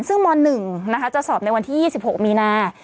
ซึ่งม๑จะสอบในวันที่๒๖มีนา